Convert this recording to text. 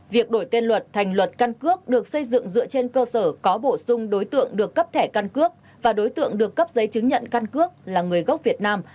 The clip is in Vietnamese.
việc đổi tên luật thành luật căn cước được xây dựng dựa trên cơ sở có bổ sung đối tượng được cấp thẻ căn cước và đối tượng được cấp giấy chứng nhận căn cước là người gốc việt nam